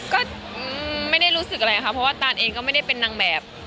ก็ไม่ได้รู้สึกอะไรค่ะเพราะว่าตานเองก็ไม่ได้เป็นนางแบบ